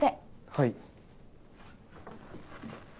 はい。